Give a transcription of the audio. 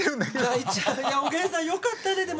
泣いちゃういやおげんさんよかったねでも。